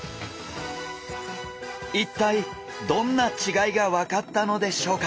一体どんな違いが分かったのでしょうか？